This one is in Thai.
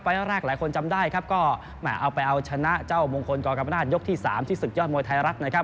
แรกหลายคนจำได้ครับก็แหมเอาไปเอาชนะเจ้ามงคลกรกรรมนาศยกที่๓ที่ศึกยอดมวยไทยรัฐนะครับ